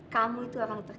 kamu itu akan terkisar